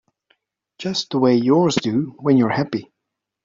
Just the way yours do when you're happy.